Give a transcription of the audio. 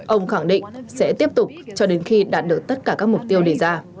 ông khẳng định sẽ tiếp tục cho đến khi đạt được tất cả các mục tiêu đề ra